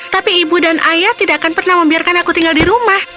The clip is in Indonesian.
tapi ibu dan ayah tidak akan pernah membiarkan aku tinggal di rumah